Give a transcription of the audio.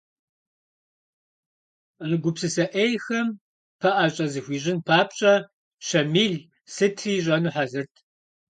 А гупсысэ Ӏейхэм пэӏэщӏэ захуищӏын папщӏэ Щамил сытри ищӏэну хьэзырт.